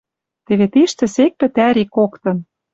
Теве тиштӹ сек пӹтӓри коктын